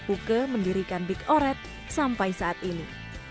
uke mendirikan big oret sampai saat ini